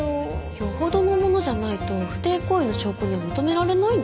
よほどのものじゃないと不貞行為の証拠には認められないんですね。